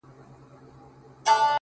غلطۍ کي مي د خپل حسن بازار مات کړی دی؛